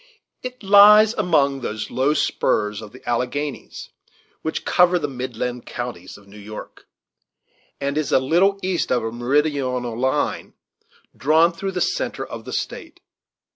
It lies among those low spurs of the Alleghanies which cover the midland counties of New York, and it is a little east of a meridional line drawn through the centre of the State.